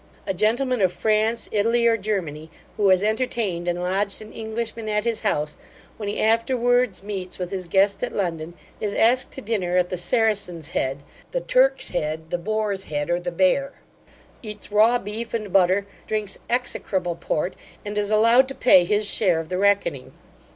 A gentleman of France, Italy, or Germany, who has entertained and lodged an Englishman at his house, when he afterwards meets with his guest at London, is asked to dinner at the Saracen's head, the Turk's head, the Boar's head, or the Bear, eats raw beef and butter, drinks execrable port, and is allowed to pay his share of the reckoning.